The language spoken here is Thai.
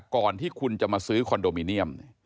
ก่อนที่คุณจะมาซื้อคอนโดมิเนียม